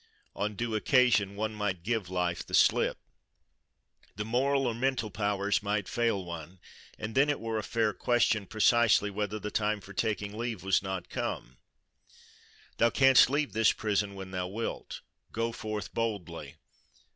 On due occasion, "one might give life the slip." The moral or mental powers might fail one; and then it were a fair question, precisely, whether the time for taking leave was not come:—"Thou canst leave this prison when thou wilt. Go forth boldly!"